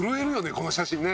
この写真ね。